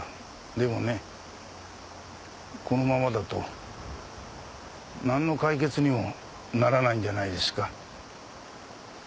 でもねこのままだと何の解決にもならないんじゃないですか？